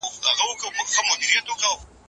پنډي په اوږه باندي ګڼ توکي نه دي راوړي.